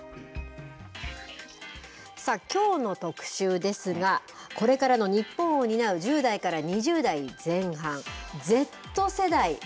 きょうの特集ですが、これからの日本を担う、１０代から２０代前半、Ｚ世代。